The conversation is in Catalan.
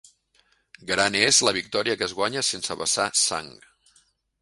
Gran és la victòria que es guanya sense vessar sang.